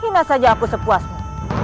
hina saja aku sepuasmu